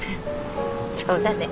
そうだね。